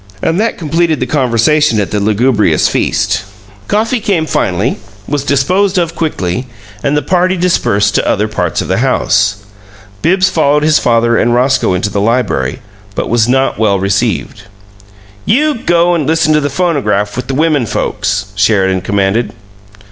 And that completed the conversation at the lugubrious feast. Coffee came finally, was disposed of quickly, and the party dispersed to other parts of the house. Bibbs followed his father and Roscoe into the library, but was not well received. "YOU go and listen to the phonograph with the women folks," Sheridan commanded.